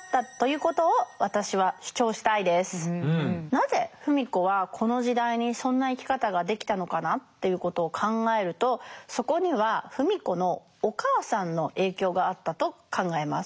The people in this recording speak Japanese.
なぜ芙美子はこの時代にそんな生き方ができたのかなということを考えるとそこには芙美子のお母さんの影響があったと考えます。